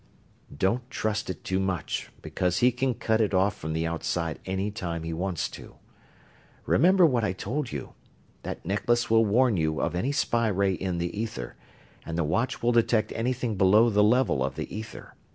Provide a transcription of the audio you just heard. "Don't trust it too much, because he can cut it off from the outside any time he wants to. Remember what I told you: that necklace will warn you of any spy ray in the ether, and the watch will detect anything below the level of the ether.